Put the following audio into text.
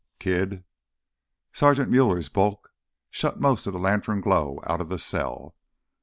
"Kid!" Sergeant Muller's bulk shut most of the lantern glow out of the cell.